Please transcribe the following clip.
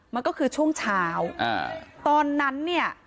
มันก็คือช่วงเช้าตอนนั้นเนี่ย